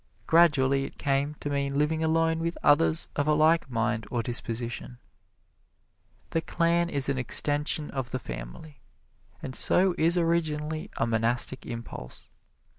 Gradually it came to mean living alone with others of a like mind or disposition. The clan is an extension of the family, and so is originally a monastic impulse.